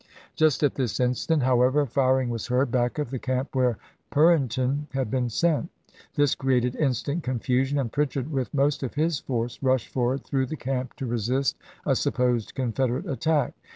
Just at this instant, however, firing was heard back of the camp, where Purinton had been sent. This created instant confusion, and Pritchard with most of his force rushed forward through the camp to resist a supposed Confederate attack.